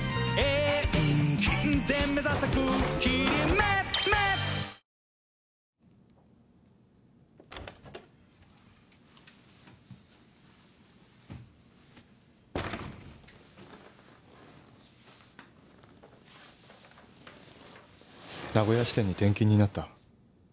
・名古屋支店に転勤になった。